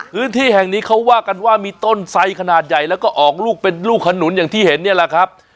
พื้นที่แห่งนี้เขาว่ากันว่ามีต้นไสขนาดใหญ่แล้วก็ออกลูกเป็นลูกขนุนอย่างที่เห็นเนี่ยแหละครับ